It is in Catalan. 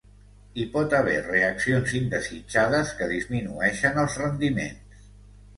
Hi pot haver reaccions indesitjades que disminueixen els rendiments.